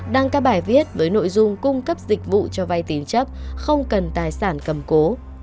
đăng các bài viết với nội dung cung cấp dịch vụ cho vay tín chấp không cần tài sản cầm cố